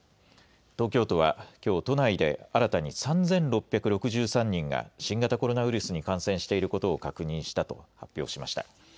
東京都は、きょう都内で新たに３６６３人が新型コロナウイルスに感染していることを確認したと発表しました。